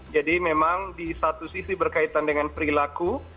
jadi memang di satu sisi berkaitan dengan perilaku